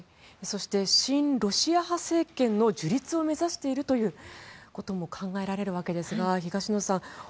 そして、親ロシア派政権の樹立を目指しているということも考えられるわけですが東野さん